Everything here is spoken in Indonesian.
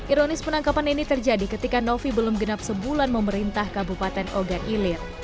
ironis penangkapan ini terjadi ketika novi belum genap sebulan memerintah kabupaten ogan ilir